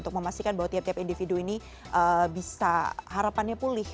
untuk memastikan bahwa tiap tiap individu ini bisa harapannya pulih